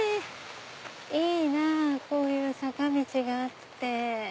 いいなぁこういう坂道があって。